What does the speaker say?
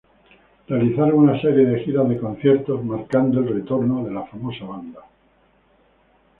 Realizaron una serie de giras de conciertos, marcando el retorno de la famosa banda.